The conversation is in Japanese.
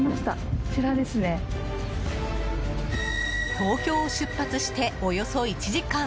東京を出発して、およそ１時間。